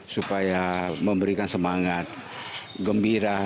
supaya memberikan semangat gembira